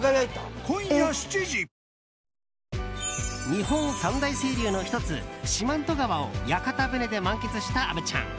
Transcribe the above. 日本三大清流の１つ四万十川を屋形船で満喫した虻ちゃん。